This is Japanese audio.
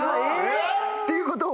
っていうことは？